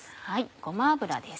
ごま油です。